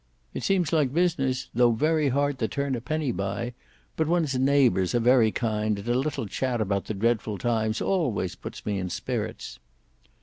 It seems like business, tho' very hard to turn a penny by; but one's neighbours are very kind, and a little chat about the dreadful times always puts me in spirits."